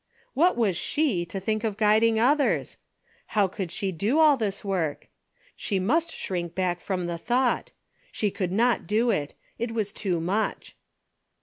What was she 54 A DAILY bate:' to think of guiding others ? How could she do all this work ? She must shrink back from the thought. She could not do it. It was too much.